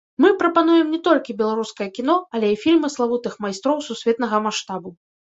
Мы прапануем не толькі беларускае кіно, але і фільмы славутых майстроў сусветнага маштабу.